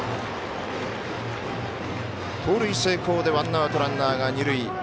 盗塁成功でワンアウトランナーが二塁。